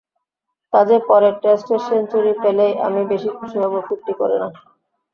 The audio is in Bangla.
কাজেই পরের টেস্টে সেঞ্চুরি পেলেই আমি বেশি খুশি হব, ফিফটি করে না।